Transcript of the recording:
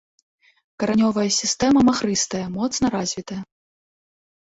Каранёвая сістэма махрыстая, моцна развітая.